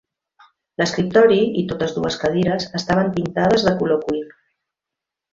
L'escriptori i totes dues cadires estaven pintades de color cuir.